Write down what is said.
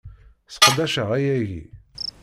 Seqdaceɣ ayagi.